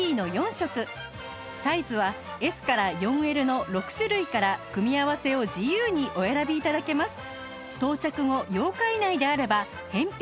サイズは Ｓ から ４Ｌ の６種類から組み合わせを自由にお選び頂けます